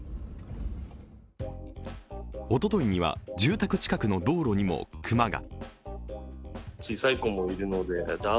おとといには住宅近くの道路にも熊が。